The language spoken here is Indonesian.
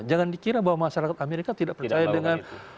jangan dikira bahwa masyarakat amerika tidak percaya dengan